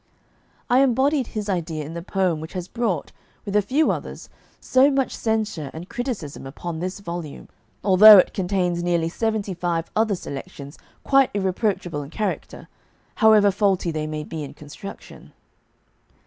I embodied his idea in the poem which has brought, with a few others, so much censure and criticism upon this volume, although it contains nearly seventy five other selections quite irreproachable in character, however faulty they may be in construction.